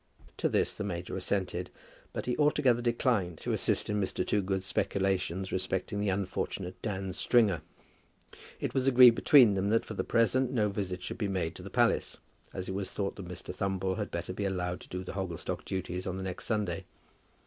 To this the major assented; but he altogether declined to assist in Mr. Toogood's speculations respecting the unfortunate Dan Stringer. It was agreed between them that for the present no visit should be made to the palace, as it was thought that Mr. Thumble had better be allowed to do the Hogglestock duties on the next Sunday.